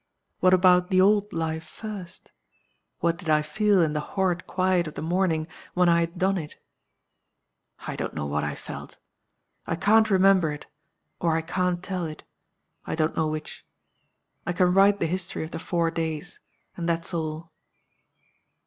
"What about the old life first? What did I feel, in the horrid quiet of the morning, when I had done it? "I don't know what I felt. I can't remember it, or I can't tell it, I don't know which. I can write the history of the four days, and that's all.